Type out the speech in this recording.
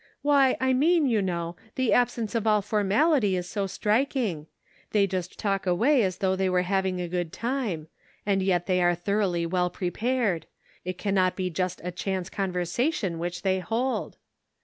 "Why I mean, you know, the absence of all formality is so striking ; they just talk away as though they were having a good time ; and yet they are thoroughly well prepared ; it can not be just a chance conversation which they hold."